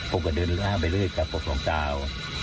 ผมกะดื้นแล้วไปลืดกะพบล่องกาว